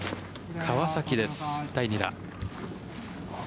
川崎です、第２打。